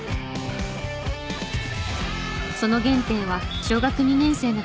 その原点は小学２年生の時。